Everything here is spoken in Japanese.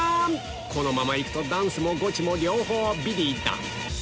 このまま行くとダンスもゴチも両方ビリだ